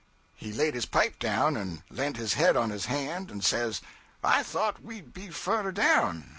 He laid his pipe down and leant his head on his hand, and says '"I thought we'd be furder down."